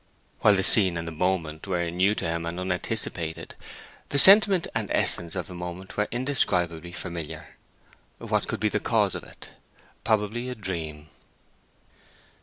While the scene and the moment were new to him and unanticipated, the sentiment and essence of the moment were indescribably familiar. What could be the cause of it? Probably a dream.